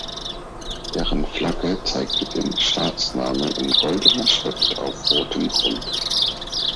Deren Flagge zeigte den Staatsname in goldener Schrift auf rotem Grund.